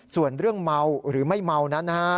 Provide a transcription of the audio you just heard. ส่วนเรื่องเมาหรือไม่เมานั้นนะฮะ